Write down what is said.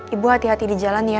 ibu hati hati di jalan ya